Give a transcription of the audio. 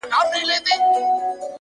د لرې څراغونو کرښه د شپې حد ټاکي،